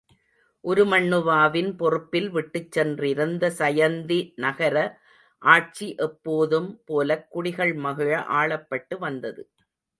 உருமண்ணுவாவின் பொறுப்பில் விட்டுச் சென்றிருந்த சயந்தி நகர ஆட்சி எப்போதும் போலக் குடிகள் மகிழ ஆளப்பட்டு வந்தது.